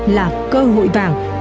là cơ hội vàng